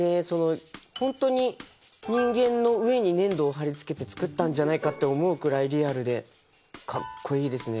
本当に人間の上に粘土を貼り付けて作ったんじゃないかって思うくらいリアルでかっこいいですね。